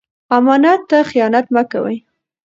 امانت ته خیانت مه کوئ.